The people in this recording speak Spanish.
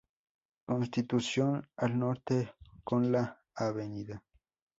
Constitución, al norte con la Av.